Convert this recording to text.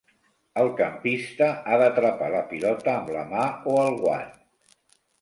El campista ha d'atrapar la pilota amb la mà o el guant.